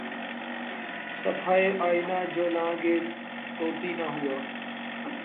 صفحۂ آئنہ جولاں گہ طوطی نہ ہوا